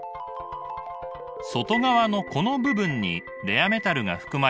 外側のこの部分にレアメタルが含まれています。